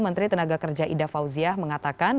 menteri tenaga kerja ida fauziah mengatakan